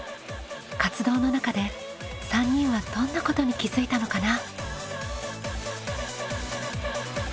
活動の中で３人はどんなことに気づいたのかな？